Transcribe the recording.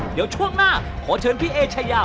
เดี๋ยวช่วงหน้าขอเชิญพี่เอชายา